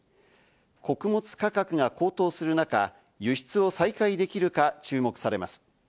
穀物価格が高騰する中、輸出を再開できるか注目されます。